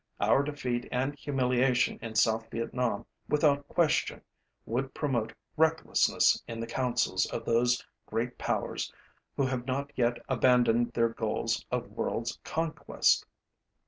Our defeat and humiliation in South Vietnam without question would promote recklessness in the councils of those great powers who have not yet abandoned their goals of worlds conquest.